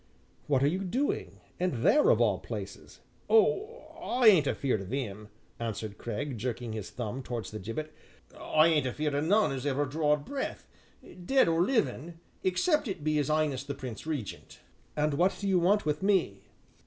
"What are you doing and there of all places?" "Oh I ain't afeared of 'im," answered Cragg, jerking his thumb towards the gibbet, "I ain't afeard o' none as ever drawed breath dead or livin' except it be 'is 'Ighness the Prince Regent." "And what do you want with me?"